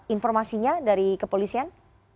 informasinya dari kepolisian